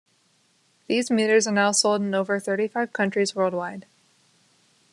These meters are now sold in over thirty-five countries worldwide.